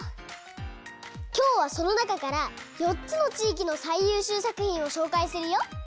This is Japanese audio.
きょうはそのなかから４つのちいきのさいゆうしゅうさくひんをしょうかいするよ。